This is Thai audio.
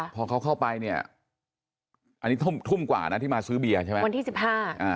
พอเขาเข้าไปเนี่ยอันนี้ทุ่มกว่าน่ะที่มาซื้อเบียใช่ไหม